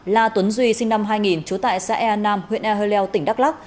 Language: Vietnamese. la tuấn duy sinh năm hai nghìn chố tại xã ea nam huyện e hơ leo tỉnh đắk lắc